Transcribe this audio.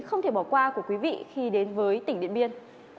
không thể bỏ qua của quý vị khi đến với tỉnh điện biên